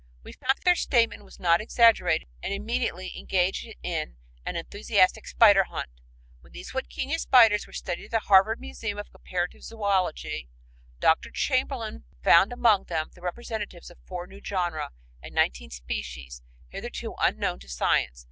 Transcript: We found that their statement was not exaggerated and immediately engaged in an enthusiastic spider hunt. When these Huadquiña spiders were studied at the Harvard Museum of Comparative Zoölogy, Dr. Chamberlain found among them the representatives of four new genera and nineteen species hitherto unknown to science.